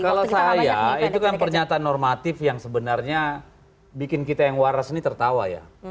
kalau saya itu kan pernyataan normatif yang sebenarnya bikin kita yang waras ini tertawa ya